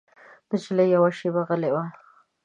نجلۍ يوه شېبه غلې وه.